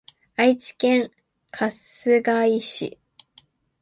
愛知県春日井市